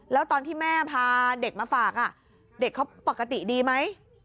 แล้วตอนที่แม่พาเด็กมาฝากเด็กเขาปกติดีไหม